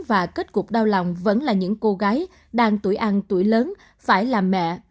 và kết cục đau lòng vẫn là những cô gái đang tuổi ăn tuổi lớn phải là mẹ